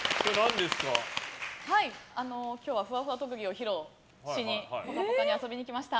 今日はふわふわ特技を披露しに「ぽかぽか」に遊びに来ました。